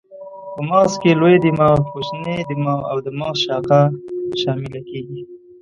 په مغز کې لوی دماغ، کوچنی دماغ او د مغز ساقه شامله کېږي.